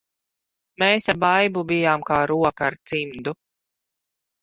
Mēs ar Baibu bijām kā roka ar cimdu.